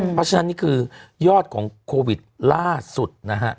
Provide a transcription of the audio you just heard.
เพราะฉะนั้นนี่คือยอดของโควิดล่าสุดนะฮะ